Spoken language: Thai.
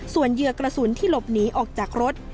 ส่วนเยือกุฏฐศุลย์ที่หลบหนีออกจากรถ